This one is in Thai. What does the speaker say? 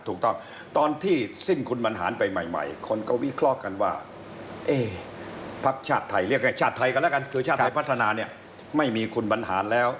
ถูกต้องตอนที่สิ้นคุณบรรหารไปใหม่คนก็วิเคราะห์กันว่าเอ๊พักชาติไทยเรียกให้ชาติไทยกันแล้วกันคือชาติไทยพัฒนาเนี่ยไม่มีคุณบรรหารแล้ว